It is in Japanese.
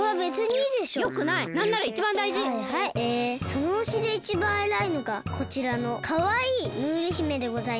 そのほしでいちばんえらいのがこちらのかわいいムール姫でございます。